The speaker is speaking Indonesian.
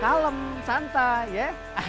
kalem santai ya